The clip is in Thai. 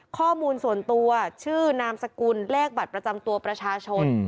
ข้อมูลส่วนตัวชื่อนามสกุลเลขบัตรประจำตัวประชาชน